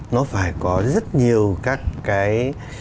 nó phải có rất nhiều các cái